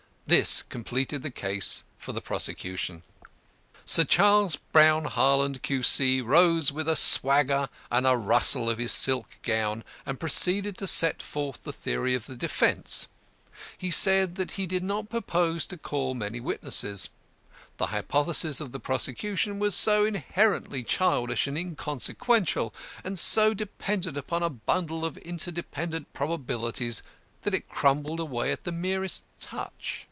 This completed the case for the prosecution. Sir CHARLES BROWN HARLAND, Q.C., rose with a swagger and a rustle of his silk gown, and proceeded to set forth the theory of the defence. He said he did not purpose to call many witnesses. The hypothesis of the prosecution was so inherently childish and inconsequential, and so dependent upon a bundle of interdependent probabilities that it crumbled away at the merest touch.